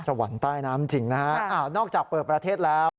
ใต้น้ำจริงนะฮะนอกจากเปิดประเทศแล้ว